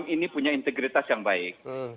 ini punya integritas yang baik